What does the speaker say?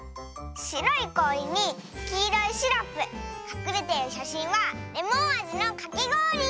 しろいこおりにきいろいシロップかくれてるしゃしんはレモンあじのかきごおり！